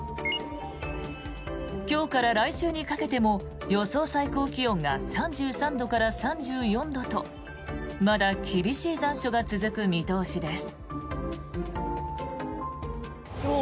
今日から来週にかけても予想最高気温が３３度から３４度とまだ厳しい残暑が続く見通しです。